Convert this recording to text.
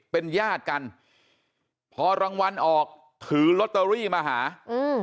เป็นญาติกันพอรางวัลออกถือลอตเตอรี่มาหาอืม